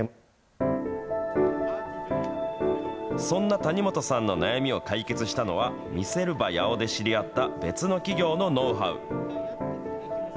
そんな谷元さんの悩みを解決したのは、みせるばやおで知り合った別の企業のノウハウ。